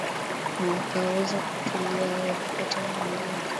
na wakaweza kutulia ee kupata uongozi